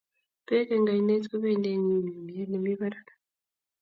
bek eng' ainet ko bendi eng' nyumnyumiet nemi barak